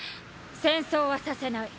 戦争はさせない。